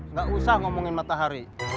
nggak usah ngomongin matahari